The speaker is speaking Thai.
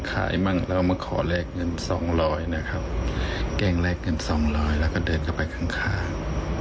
มั่งแล้วก็มาขอแลกเงินสองร้อยนะครับแกล้งแลกเงินสองร้อยแล้วก็เดินเข้าไปข้างข้าง